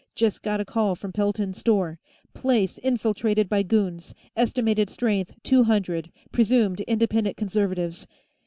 Just got a call from Pelton's store place infiltrated by goons, estimated strength two hundred, presumed Independent Conservatives.